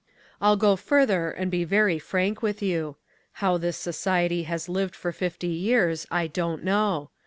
I'll go further and be very frank with you. How this society has lived for fifty years, I don't know.